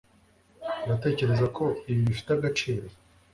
uratekereza ko ibi bifite agaciro